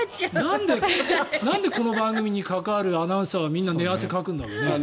なんでこの番組に関わるアナウンサーはみんな寝汗かくんだろうね。